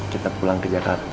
kita pulang ke jakarta